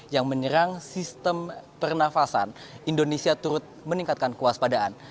yang menyerang sistem pernafasan indonesia turut meningkatkan kuas padaan